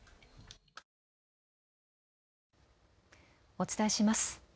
お伝えします。